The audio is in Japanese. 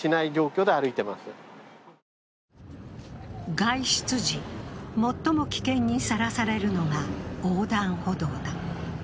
外出時、最も危険にさらされるのが横断歩道だ。